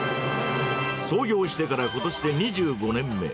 創業してからことしで２５年目。